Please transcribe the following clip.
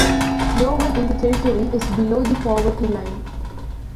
No one in the territory is below the poverty line.